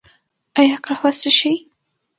ایا قهوه څښئ؟